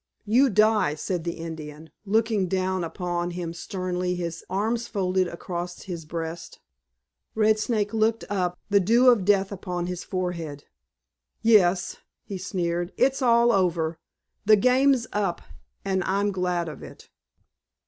"You die," said the Indian, looking down upon him sternly, his arms folded across his breast. Red Snake looked up, the dew of death upon his forehead. "Yes," he sneered. "It's all over. The game's up—and I'm glad of it."